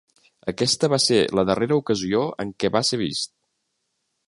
Aquesta va ser la darrera ocasió en què va ser vist.